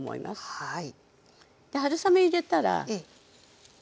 はい。